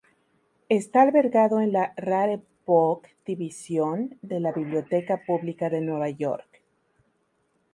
Está albergado en la "Rare Book Division" de la Biblioteca Pública de Nueva York.